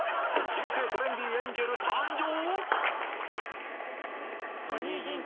新生トレンディエンジェル誕生！？